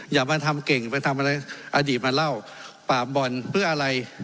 อย่ามาทำเก่งไปทำอะไรอดีตมาเล่าปราบบ่อนเพื่ออะไร